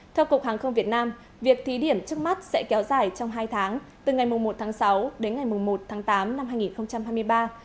theo cục hàng không việt nam việc thí điểm trước mắt sẽ kéo dài trong hai tháng từ ngày một tháng sáu đến ngày một tháng tám năm hai nghìn hai mươi ba